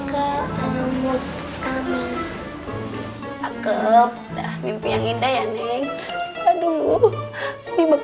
cakep mimpi yang indah ya neng